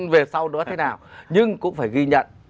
về sau đó thế nào nhưng cũng phải ghi nhận